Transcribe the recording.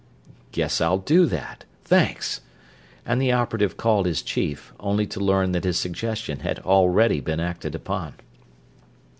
"Guess I'll do that thanks," and the operative called his chief, only to learn that his suggestion had already been acted upon.